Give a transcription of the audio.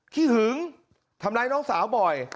ขึงทำร้ายน้องสาวบ่อย